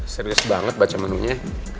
serius banget baca menunya